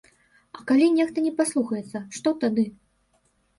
А калі нехта не паслухаецца, што тады?